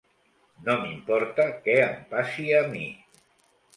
No m'importa què em passi a mi.